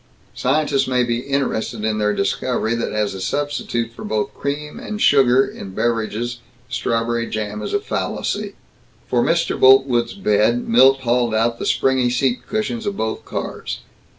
Scientists may be interested in their discovery that as a substitute for both cream and sugar in beverages strawberry jam is a fallacy. For Mr. Boltwood's bed Milt hauled out the springy seat cushions of both cars.